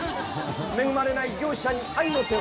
恵まれない業者に愛の手を。